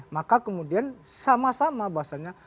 karena kemudian sama sama bahwasannya